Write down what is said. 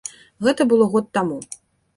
Гэта было год таму.